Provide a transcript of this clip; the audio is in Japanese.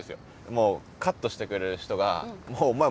もうカットしてくれる人がもうお前